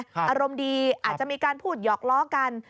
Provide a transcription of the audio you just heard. อารมณ์ดีอาจจะมีการพูดหยอกล้อกัน